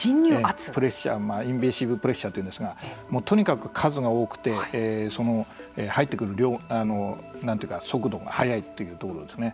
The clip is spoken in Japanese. プレッシャー、インビシブルプレッシャーというんですがとにかく数が多くて入ってくる量速度が速いというところですね。